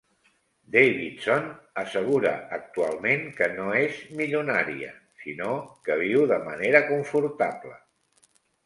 Davidson assegura actualment que no és milionària sinó que viu de manera confortable.